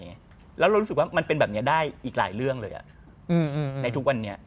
แล้วเรารู้สึกว่ามันเป็นแบบนี้ได้อีกหลายเรื่องเลยในทุกวันนี้